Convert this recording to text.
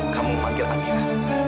kamu memanggil amira